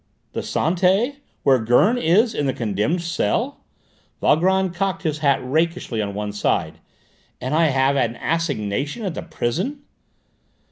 "The Santé? Where Gurn is in the condemned cell?" Valgrand cocked his hat rakishly on one side. "And I have an assignation at the prison?"